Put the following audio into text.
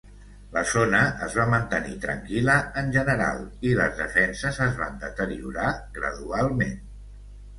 La zona es va mantenir tranquil·la en general, i les defenses es van deteriorar gradualment.